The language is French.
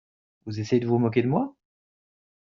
Vous essayez de vous moquer de moi ?